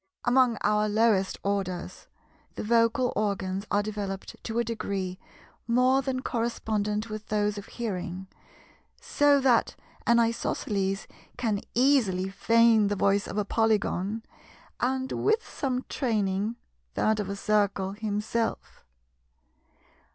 Amongst our lowest orders, the vocal organs are developed to a degree more than correspondent with those of hearing, so that an Isosceles can easily feign the voice of a Polygon, and, with some training, that of a Circle himself.